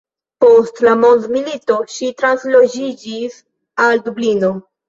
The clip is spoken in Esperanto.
Post la mondmilito, ŝi transloĝiĝis al Dublino.